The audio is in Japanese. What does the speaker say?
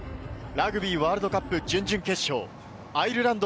ラグビーワールドカップ準々決勝、アイルランド